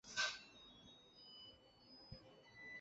古槐镇是中国福建省福州市长乐区下辖的一个镇。